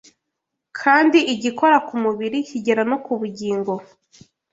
kandi igikora ku mubiri kigera no ku bugingo